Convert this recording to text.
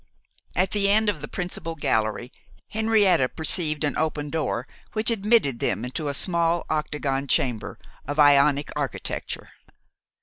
At the end of the principal gallery, Henrietta perceived an open door which admitted them into a small octagon chamber, of Ionic architecture.